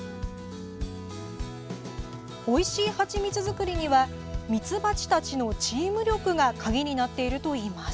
おいしいハチミツ作りにはミツバチたちのチーム力が鍵になっているといいます。